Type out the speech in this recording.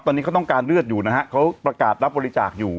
ตอนนี้เขาต้องการเลือดอยู่นะฮะเขาประกาศรับบริจาคอยู่